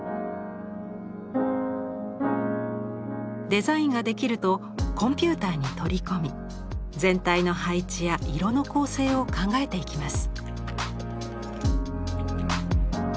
デザインができるとコンピューターに取り込み全体の配置や色の構成を考えていきます。